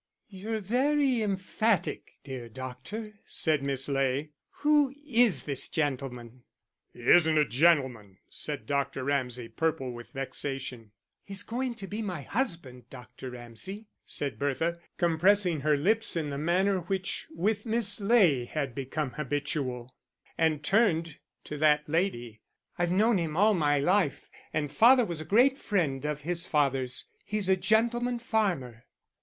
"You're very emphatic, dear doctor," said Miss Ley. "Who is this gentleman?" "He isn't a gentleman," said Dr. Ramsay, purple with vexation. "He's going to be my husband, Dr. Ramsay," said Bertha, compressing her lips in the manner which with Miss Ley had become habitual; and turned to that lady: "I've known him all my life, and father was a great friend of his father's. He's a gentleman farmer."